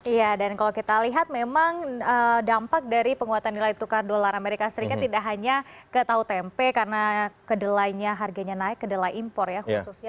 iya dan kalau kita lihat memang dampak dari penguatan nilai tukar dolar amerika serikat tidak hanya ke tahu tempe karena kedelainya harganya naik kedelai impor ya khususnya